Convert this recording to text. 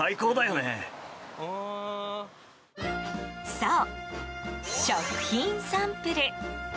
そう、食品サンプル。